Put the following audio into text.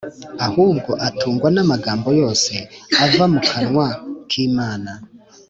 ahubwo atungwa n’amagambo yose ava mu kanwa k’Imana